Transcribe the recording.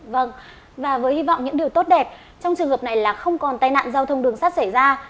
vâng và với hy vọng những điều tốt đẹp trong trường hợp này là không còn tai nạn giao thông đường sắt xảy ra